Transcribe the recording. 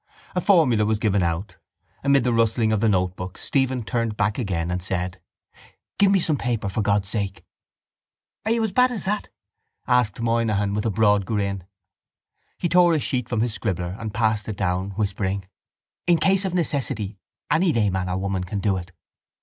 A formula was given out. Amid the rustling of the notebooks Stephen turned back again and said: —Give me some paper for God's sake. —Are you as bad as that? asked Moynihan with a broad grin. He tore a sheet from his scribbler and passed it down, whispering: —In case of necessity any layman or woman can do it.